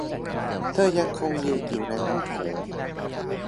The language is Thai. เธอยังคงยืนอยู่ในห้องโถง